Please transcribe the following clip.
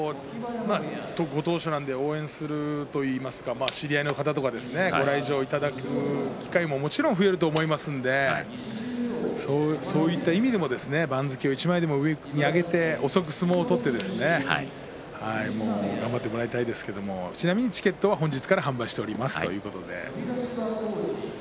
ご当所なので応援するというか知り合いの方とかご来場いただく機会ももちろん増えると思いますのでそういった意味でも番付を一枚でも上に上げて遅く相撲を取って頑張ってもらいたいですけどもちなみにチケットは本日から販売しています。